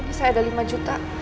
ini saya ada lima juta